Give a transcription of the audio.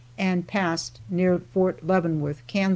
and passed near Fort Leavenworth, Kan.